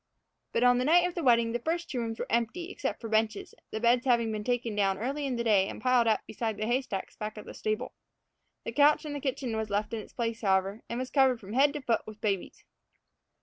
But on the night of the wedding the first two rooms were empty, except for benches, the beds having been taken down early in the day and piled up beside the hay stacks back of the stable. The couch in the kitchen was left in its place, however, and was covered from head to foot with babies.